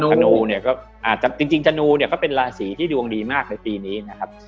ธนูเนี่ยก็อาจจะจริงธนูเนี่ยก็เป็นราศีที่ดวงดีมากในปีนี้นะครับ